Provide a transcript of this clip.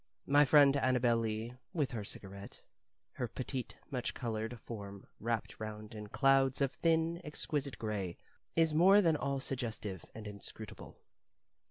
My friend Annabel Lee, with her cigarette, her petite much colored form wrapped round in clouds of thin, exquisite gray, is more than all suggestive and inscrutable.